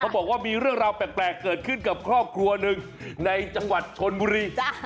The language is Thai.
บอกว่ามีเรื่องราวแปลกเกิดขึ้นกับครอบครัวหนึ่งในจังหวัดชนบุรี